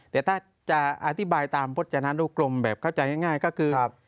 แต่ถ้าจะอธิบายตามพจนานุกรมแบบเข้าใจง่ายก็คือ